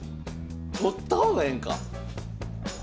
取った方がええんか。